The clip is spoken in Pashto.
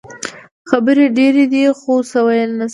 خبرې ډېرې دي خو څه ویلې نه شم.